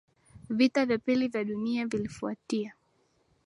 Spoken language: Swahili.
vita vya pili vya duniani vilifuatia